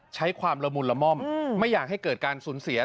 ใช้ความละมุนละม่อมไม่อยากให้เกิดการสูญเสีย